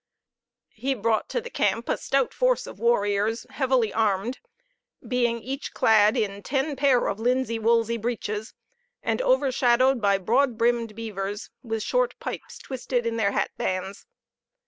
He brought to the camp a stout force of warriors, heavily armed, being each clad in ten pair of linsey woolsey breeches, and overshadowed by broad brimmed beavers, with short pipes twisted in their hat bands.